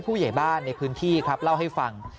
ผู้ใหญ่บ้านในพื้นที่ครับเล่าให้ฟัง